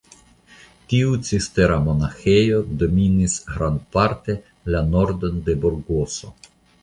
Tiu cistera monaĥejo dominis grandparte la nordon de Burgoso.